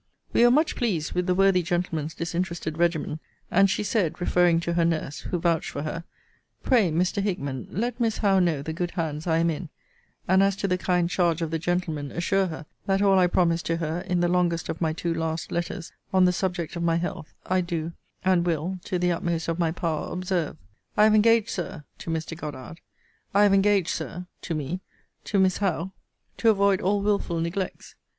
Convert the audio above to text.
We were much pleased with the worthy gentleman's disinterested regimen: and she said, referring to her nurse, (who vouched for her,) Pray, Mr. Hickman, let Miss Howe know the good hands I am in: and as to the kind charge of the gentleman, assure her, that all I promised to her, in the longest of my two last letters, on the subject of my health, I do and will, to the utmost of my power, observe. I have engaged, Sir, (to Mr. Goddard,) I have engaged, Sir, (to me,) to Miss Howe, to avoid all wilful neglects.